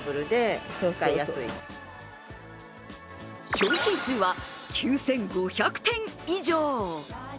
商品数は９５００点以上。